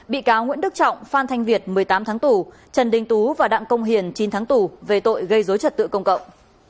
bị cáo nguyễn đức trọng phan thanh việt một mươi tám tháng tù trần đình tú và đặng công hiền chín tháng tù về tội gây dối trật tự công cộng